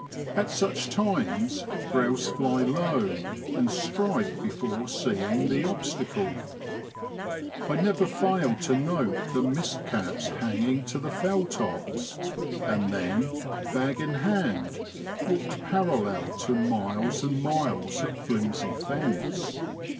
At such times grouse fly low, and strike before seeing the obstacle. I never failed to note the mist caps hanging to the fell tops, and then, bag in hand, walked parallel to miles and miles of flimsy fence.